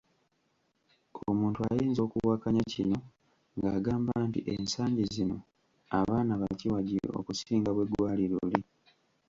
Omuntu ayinza okuwakanya kino ng’agamba nti ensangi zino abaana bakiwagi okusinga bwe gwali luli.